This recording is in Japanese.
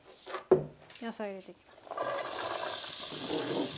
野菜を入れていきます。